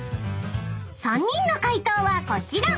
［３人の解答はこちら］